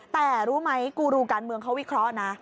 แต่รู้ไหมกูรูการเมืองเขาวิเคราะห์นะ